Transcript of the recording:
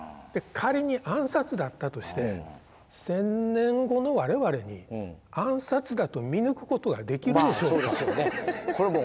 仮に暗殺だったとして１，０００年後の我々に暗殺だと見抜くことができるでしょうか。